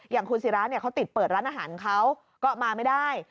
อย่างคุณศิราเนี่ยเขาติดเปิดร้านอาหารเขาก็มาไม่ได้